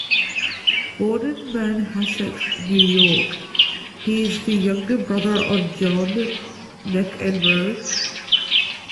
Born in Manhasset, New York, he is the younger brother of John McEnroe.